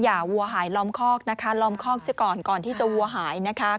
อย่าวัวหายล้อมคอกนะคะล้อมคอกก่อนที่จะวัวหายนะคะ